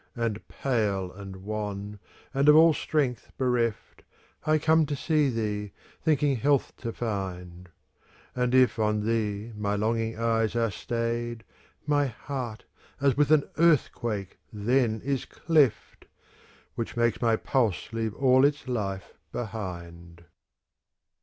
And pale and wan, and of all strength bereft, ^^ I come to see thee, thinking health to find: And if on thee my longing eyes are stayed. My heart, as with an earthquake, then is cleft. Which makes my pulse leave all its life behind.